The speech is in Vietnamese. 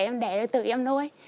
em đẻ rồi tự em nuôi